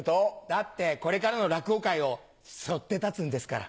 だってこれからの落語界を背負って立つんですから。